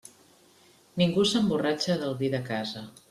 Ningú s'emborratxa del vi de casa.